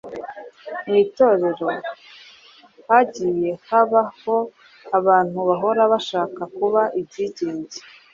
Mu Itorero hagiye habaho abantu bahora bashaka kuba ibyigenge.